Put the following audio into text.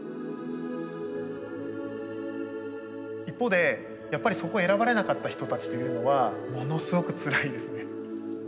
一方でやっぱりそこ選ばれなかった人たちというのはものすごくつらいですね。